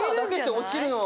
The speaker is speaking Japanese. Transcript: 落ちるのは。